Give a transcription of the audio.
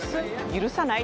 許さない？